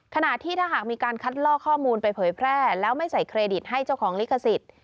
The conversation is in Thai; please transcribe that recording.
ขณะที่ถ้าหากมีการคัดล่อข้อมูลไปเผยแพร่แล้วไม่ใส่เครดิตให้เจ้าของลิขสิทธิ์